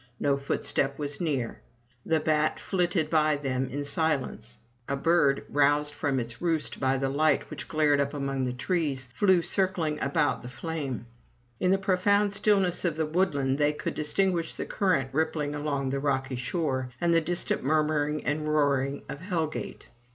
No footstep was near. The bat flitted by them in silence; a bird, roused from its roost by the light which glared up among the trees, flew circling about the flame. In the profound stillness of the woodland, they could dis tinguish the current rippling along the rocky shore, and the distant murmuring and roaring of Hell gate.